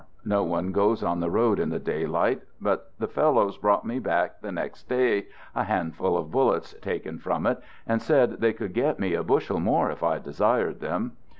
No one goes on the road in the daylight, but the fellows brought me back the next day a handful of bullets taken from it, and said they could get me a bushel more if I desired them.